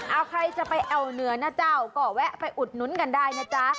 เอาใครจะไปแอวเหนือนะเจ้าก็แวะไปอุดหนุนกันได้นะจ๊ะ